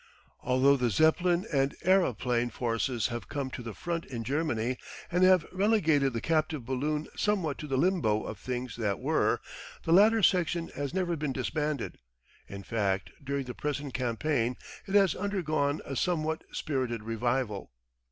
Although the Zeppelin and aeroplane forces have come to the front in Germany, and have relegated the captive balloon somewhat to the limbo of things that were, the latter section has never been disbanded; in fact, during the present campaign it has undergone a somewhat spirited revival.